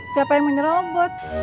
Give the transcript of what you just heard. siapa yang mau nyurobot